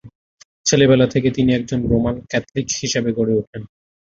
ছেলেবেলা থেকে তিনি একজন রোমান ক্যাথলিক হিসেবে বেড়ে উঠেন।